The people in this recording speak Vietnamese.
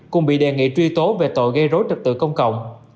cùng bị đề nghị truy tố về tội gây rối trật tự công cộng